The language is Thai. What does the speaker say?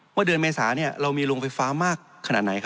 เมื่อเดือนเมษาเรามีโรงไฟฟ้ามากขนาดไหน